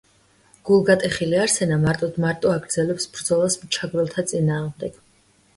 გულგატეხილი არსენა მარტოდმარტო აგრძელებს ბრძოლას მჩაგვრელთა წინააღმდეგ.